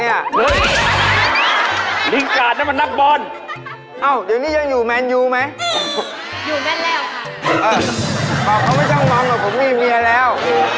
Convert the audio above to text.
เอ่อเขาไม่จังหวังว่าผมมีเมียแล้ว